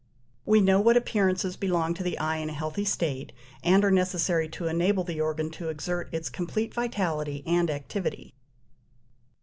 We know what appearances belong to the eye in a healthy state, and are necessary to enable the organ to exert its complete vitality and activity.